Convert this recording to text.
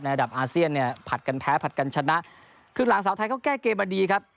ระดับอาเซียนเนี่ยผัดกันแพ้ผลัดกันชนะคือหลานสาวไทยเขาแก้เกมมาดีครับ